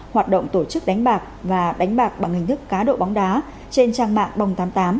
hoạt động tổ chức đánh bạc và đánh bạc bằng hình thức cá độ bóng đá trên trang mạng bồng tám mươi tám